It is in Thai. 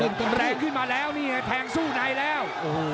นี่แต่แข่งซู่ไหนแล้ว